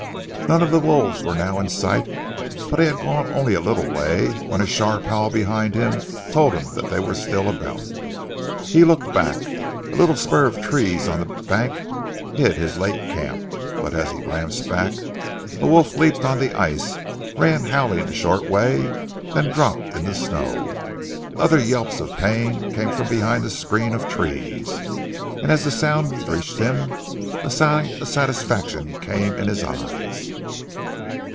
None of the wolves were now in sight, but he had gone only a little way, when a sharp howl behind him, told him that they were still about. He looked back. A little spur of trees on the bank hid his late camp, but as he glanced back, a wolf leaped on the ice, ran howling a short way, then dropped in the snow. Other yelps of pain came from behind the screen of trees, and as the sounds reached him a sigh of satisfaction came in his eyes.